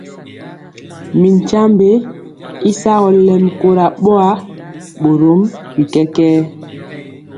Mi tyiambe y sagɔ lɛmi kora boa, borom bi kɛkɛɛ.